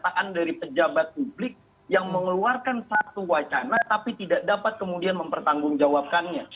pernyataan dari pejabat publik yang mengeluarkan satu wacana tapi tidak dapat kemudian mempertanggungjawabkannya